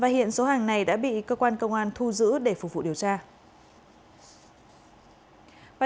hiện số hàng này đã bị cơ quan công an thu giữ để phục vụ điều tra